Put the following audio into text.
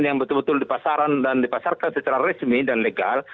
yang betul betul dipasarkan secara resmi dan legal